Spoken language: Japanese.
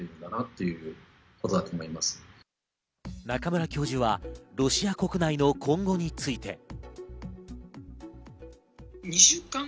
中村教授はロシア国内の今後について。